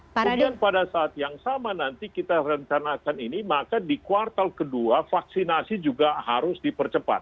kemudian pada saat yang sama nanti kita rencanakan ini maka di kuartal kedua vaksinasi juga harus dipercepat